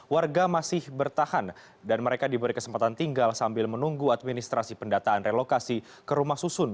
warga masih bertahan dan mereka diberi kesempatan tinggal sambil menunggu administrasi pendataan relokasi ke rumah susun